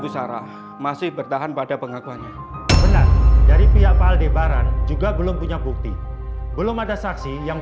sampai jumpa di video selanjutnya